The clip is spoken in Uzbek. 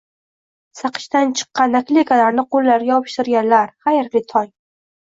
Saqichdan chiqqan nakleykalarni qo'llariga yopishtirganlar, xayrli tong!